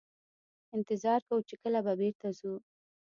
انتظار کوو چې کله به بیرته ځو.